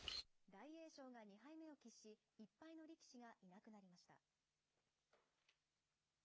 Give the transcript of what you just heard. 大栄翔が２敗目を喫し、１敗の力士がいなくなりました。